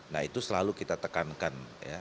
nah itu selalu kita tekankan